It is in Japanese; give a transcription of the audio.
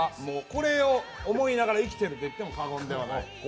これを思いながら生きてると言っても過言ではない。